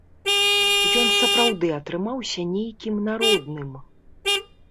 Ён сапраўды атрымаўся нейкім народным.